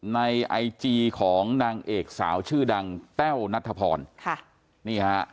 ในไอจีของนางเอกสาวชื่อดังแต้วนัทพรค่ะนี่ฮะ